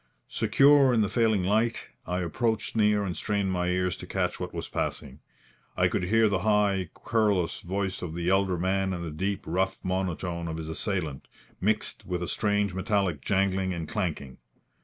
Secure in the failing light, I approached near and strained my ears to catch what was passing. I could hear the high, querulous voice of the elder man and the deep, rough monotone of his assailant, mixed with a strange metallic jangling and clanking.